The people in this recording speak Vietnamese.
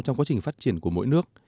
trong quá trình phát triển của mỗi nước